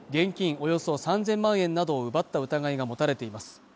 およそ３０００万円などを奪った疑いが持たれています